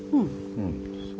うん。